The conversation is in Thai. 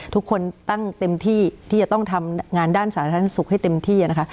ทุกคนตั้งเต็มที่ที่จะต้องทำงานด้านสาธารณสุขให้เต็มที่นะคะ